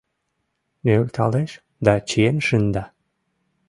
Нӧлталеш да чиен шында.